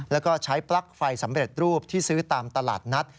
แล้วก็ใช้ปลั๊กไฟสำเร็จรูปที่ซื้อตามตลาดนัด